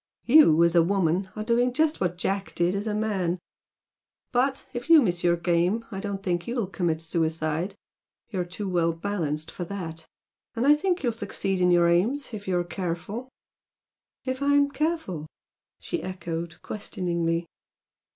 You, as a woman, are doing just what Jack did as a man. But, if you miss your game, I don't think you'll commit suicide. You're too well balanced for that. And I think you'll succeed in your aims if you're careful!" "If I'm careful?" she echoed, questioningly.